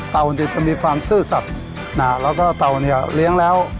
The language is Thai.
จะมีความซื่อสัตว์แล้วก็เต่าเนี่ยเลี้ยงแล้ว